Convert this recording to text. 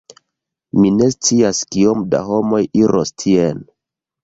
Mi ne scias kiom da homoj iros tien